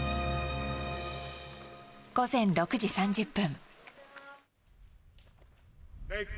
午前６時３０分。